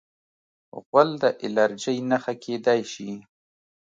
غول د الرجۍ نښه کېدای شي.